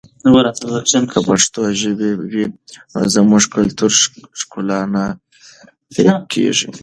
که پښتو ژبه وي نو زموږ کلتوري ښکلا نه پیکه کېږي.